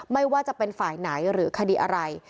ไม่ว่าจะเป็นฝ่ายไหนหรือคดีอะไร